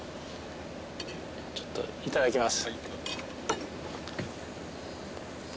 ちょっといただきます。